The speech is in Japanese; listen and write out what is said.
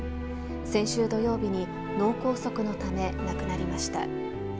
先週土曜日に脳梗塞のため亡くなりました。